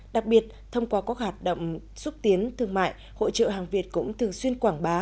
đặc biệt thông qua các hoạt động xúc tiến thương mại hội trợ hàng việt cũng thường xuyên quảng bá